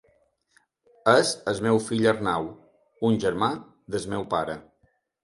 És el meu fill Arnau, un germà del meu pare.